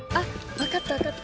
わかったわかった。